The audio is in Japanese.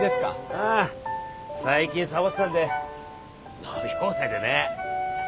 ああ最近サボってたんで伸び放題でね。